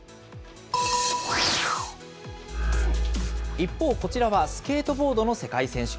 一方、こちらはスケートボードの世界選手権。